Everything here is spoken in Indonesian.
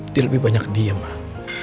dia lebih banyak diam pak